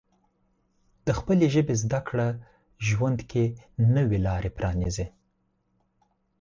د خپلې ژبې زده کړه ژوند کې نوې لارې پرانیزي.